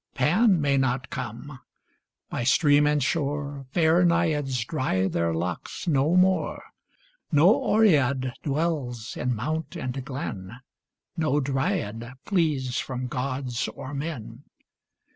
Pan may not come. By stream and shore Fair Naiads dry their locks no more ; No Oread dwells in mount and glen ; No Dryad flees from gods or men.